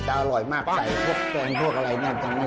จะอร่อยมากใส่พวกแปลงพวกอะไรนั่นก็อร่อย